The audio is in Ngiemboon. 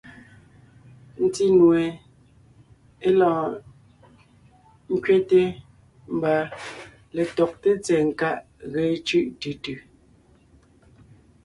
Ńtí nue (é lɔɔn ńkẅɛte mbà) letɔgté tsɛ̀ɛ nkáʼ ge cʉ́ʼ tʉ tʉ.